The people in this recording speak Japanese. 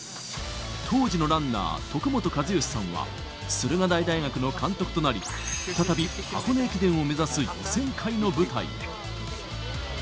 当時のランナー、徳本一善さんは、駿河台大学の監督となり、再び、箱根駅伝を目指す予選会の舞台へ。